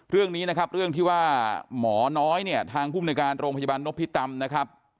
เรื่องนี้นะครับเรื่องที่ว่าหมอน้อยเนี่ยทางภูมิในการโรงพยาบาลนพิตำนะครับ